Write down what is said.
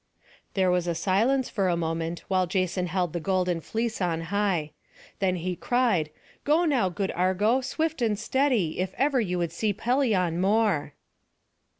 There was a silence for a moment, while Jason held the golden fleece on high. Then he cried: "Go now, good Argo, swift and steady, if ever you would see Pelion more."